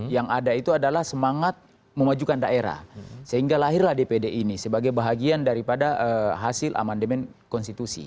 yang ada itu adalah semangat memajukan daerah sehingga lahirlah dpd ini sebagai bahagian daripada hasil amandemen konstitusi